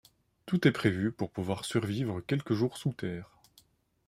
Tout est prévu pour pouvoir survivre quelques jours sous terre.